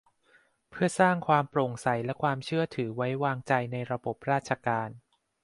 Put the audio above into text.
เพื่อสร้างความโปร่งใสและความเชื่อถือไว้วางใจในระบบราชการ